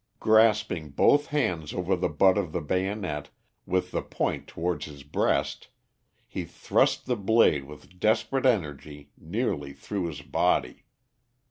Grasping both hands over the butt of the bayonet, with the point towards his breast, he thrust the blade with desperate energy nearly through his body.